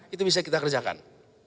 itu bisa kita kerjakan